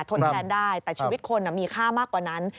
ทดแทนได้แต่ชีวิตคนมีค่ามากกว่านั้น